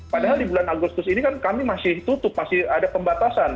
padahal di bulan agustus ini kan kami masih tutup masih ada pembatasan